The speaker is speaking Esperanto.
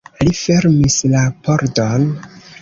Li fermis la pordon.